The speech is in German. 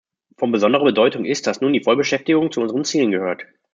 Von besonderer Bedeutung ist, dass nun die Vollbeschäftigung zu unseren Zielen gehört.